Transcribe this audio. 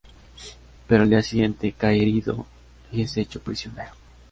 Pero al día siguiente cae herido y es hecho prisionero.